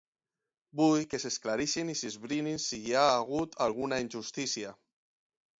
Vull que s’aclareixin i s’esbrini si hi ha hagut alguna injustícia.